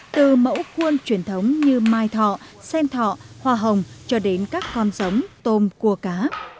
từ mẫu khuôn truyền thống như mai thọ sen thọ hoa hồng cho đến các con giống tôm cua cá